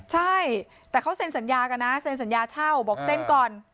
ใช่แต่เขาเซ็นสัญญากันนะเซ็นสัญญาเช่าบอกเซ็นก่อน